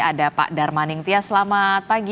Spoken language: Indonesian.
ada pak darmaning tia selamat pagi